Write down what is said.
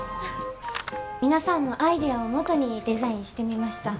皆さんのアイデアを基にデザインしてみました。